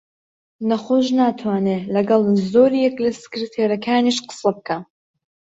نەخۆش ناتوانێ لەگەڵ زۆرێک لە سکرتێرەکانیش قسە بکا